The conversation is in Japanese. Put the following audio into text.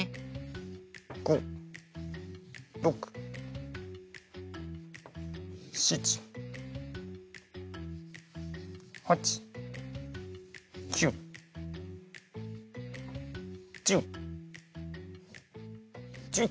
５６７８９１０１１。